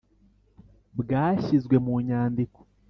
bwashyizwe mu nyandiko